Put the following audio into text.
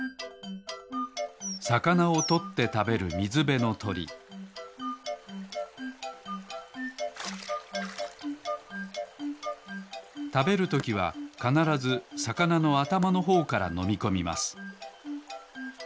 さかなをとってたべるみずべのとりたべるときはかならずさかなのあたまのほうからのみこみます。